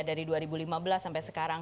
dari dua ribu lima belas sampai sekarang